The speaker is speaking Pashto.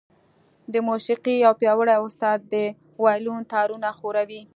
د موسيقۍ يو پياوړی استاد د وايلون تارونه ښوروي.